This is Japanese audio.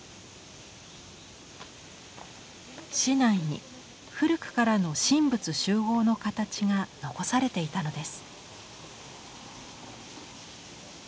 市内に古くからの神仏習合の形が残されていたのです。